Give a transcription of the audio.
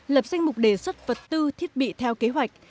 lập danh mục đề xuất vật tư thiết bị theo kế hoạch